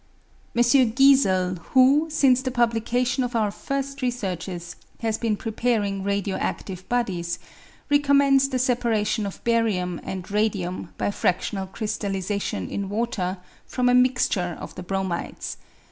M. Giesel, who, since the publication of our first re searches, has been preparing radio adive bodies, recom mends the separation of barium and radium by fractional crystallisation in water from a mixture of the bromides.